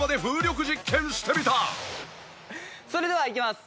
それではいきます。